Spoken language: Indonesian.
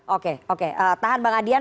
oke oke tahan bang adian